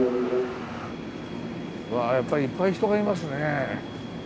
うわやっぱりいっぱい人がいますね。